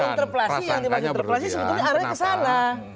iya interpelasi yang dibuat interpelasi sebetulnya arahnya kesalah